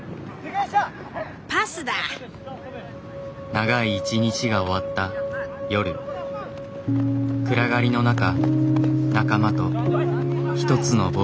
長い一日が終わった夜暗がりの中仲間と一つのボールを追いかける。